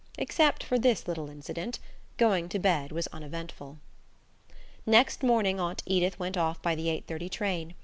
Except for this little incident, going to bed was uneventful. Next morning Aunt Edith went off by the eight thirty train.